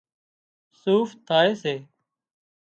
صوف ٿائي سي